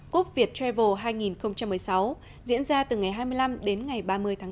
cúp việt travel hai nghìn một mươi sáu diễn ra từ ngày hai mươi năm đến ngày ba mươi tháng tám